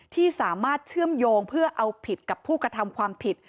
ที่สามารถเชื่อมโยงเพื่อเอาผิดกับผู้กระทำความผิด